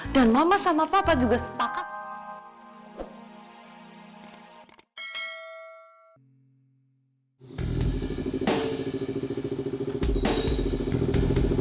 dan mama sama papa juga sepakat